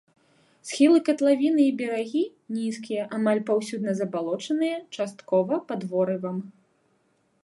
Схілы катлавіны і берагі нізкія, амаль паўсюдна забалочаныя, часткова пад ворывам.